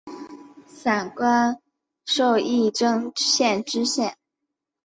散馆授仪征县知县。